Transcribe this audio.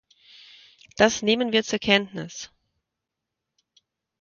Das nehmen wir zur Kenntnis.